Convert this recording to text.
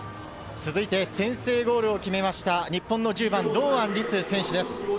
続いて先制ゴールを決めた日本の１０番・堂安律選手です。